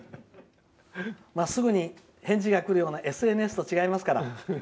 まっすぐに返事が来るようなＳＮＳとは違いますから。